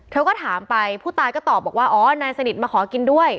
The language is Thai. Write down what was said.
เธอก็ถามไปผู้ตายก็ตอบบอกว่าอ๋อนายสนิทมาขอกินด้วย